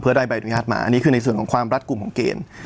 เพื่อได้ใบอนุญาตมาอันนี้คือในส่วนของความรัดกลุ่มของเกณฑ์